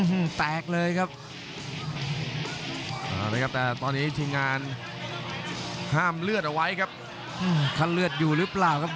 อื้อหือแตกเลยครับ